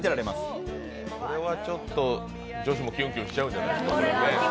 これはちょっと女子もキュンキュンしてしまうんじゃない？